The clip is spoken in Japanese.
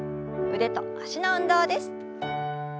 腕と脚の運動です。